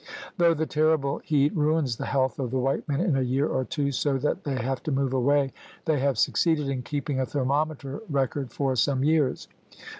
Though the terrible heat ruins the health of the white men in a year or two, so that they have to move away, they have succeeded in keeping a thermometer record for some years.